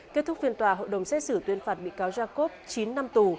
kết thúc phiên tòa hội đồng xét xử tuyên phạt bị cáo jacob chín năm tù